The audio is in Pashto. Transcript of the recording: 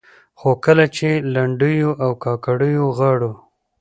خو کله چې لنډيو او کاکړيو غاړو